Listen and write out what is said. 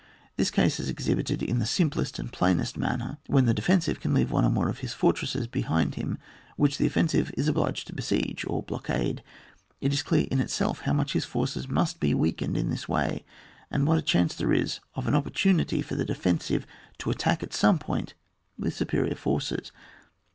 This case is exhibited in the simplest and plainest manner, when the defensive can leave one or more of his fortresses behind him, which the offensive is ob liged to besiege or blockade. It is clear in itself, how much his forces must be weakened in this way, and what a chance there is of an opportunity for the defen sive to attack at some point with superior forces.